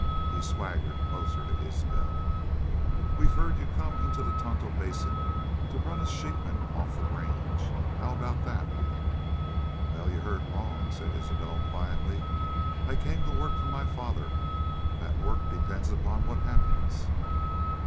He swaggered closer to Isbel. "'We heerd y'u come into the Tonto Basin to run us sheepmen off the range. How aboot thet?' "'Wal, you heerd wrong,' said Isbel, quietly. 'I came to work fer my father. Thet work depends on what happens.'